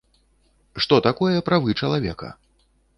Што такое правы чалавека?